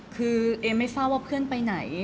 คือเอมไม่ทราบว่าเพื่อนไปไหน